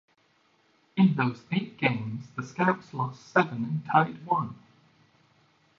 In those eight games, the Scouts lost seven and tied one.